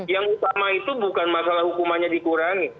yang utama itu bukan masalah hukumannya dikurangi